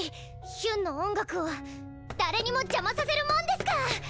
ヒュンの音楽を誰にも邪魔させるもんですか！